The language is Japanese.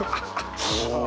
お！